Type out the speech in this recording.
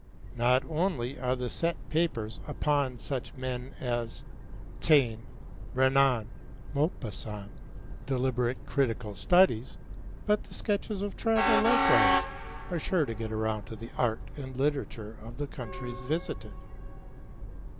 Not only are the set papers upon such men as Taine, Renan, and Maupassant deliberate critical studies, but the sketches of travel likewise are sure to get around to the art and literature of the countries visited.